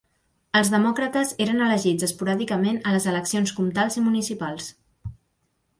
Els demòcrates eren elegits esporàdicament a les eleccions comtals i municipals.